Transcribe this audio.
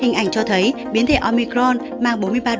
hình ảnh cho thấy biến thể omicron mang bốn mươi ba của biến thể delta